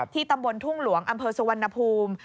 ตำบลทุ่งหลวงอำเภอสุวรรณภูมิ